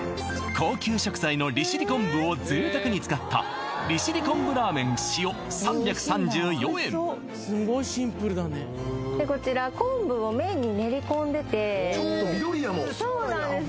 高級食材の利尻昆布を贅沢に使った利尻昆布ラーメン塩３３４円こちらそうなんです